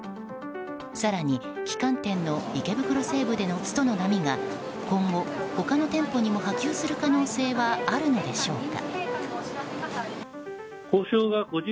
更に旗艦店の池袋西武でのストの波が今後、他の店舗にも波及する可能性はあるのでしょうか。